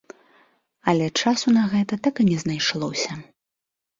Але часу на гэта так і не знайшлося.